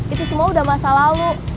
itu semua udah masa lalu